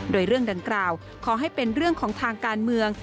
โดยเรื่องดังกล่าวขอให้เป็นเรื่องของทางการเมือง